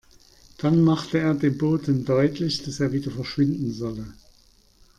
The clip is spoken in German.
Dann machte er dem Boten deutlich, dass er wieder verschwinden solle.